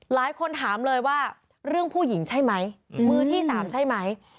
หลายคนถามเลยว่าเรื่องผู้หญิงใช่ไหมมือที่๓ใช่ไหม